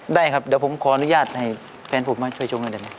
ได้ครับเดี๋ยวผมขออนุญาตให้แฟนผมมาช่วยชมหน่อยได้ไหม